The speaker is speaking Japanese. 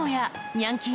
ニャンキー